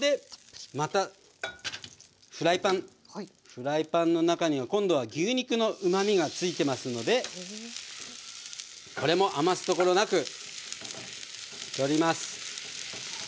フライパンの中には今度は牛肉のうまみが付いてますのでこれも余すところなく取ります。